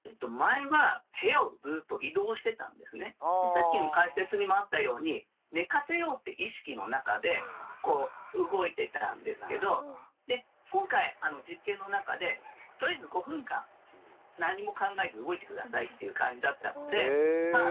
さっきの解説にもあったように寝かせようって意識の中で動いてたんですけど今回実験の中でとりあえず５分間何も考えず動いて下さいっていう感じだったのでまあ